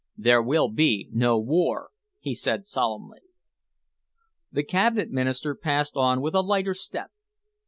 "There will be no war," he said solemnly. The Cabinet Minister passed on with a lighter step.